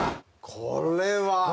これは。